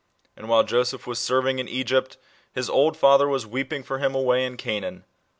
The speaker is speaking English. And while Joseph was serving in Egypt his old father was weeping for him away in Canaan.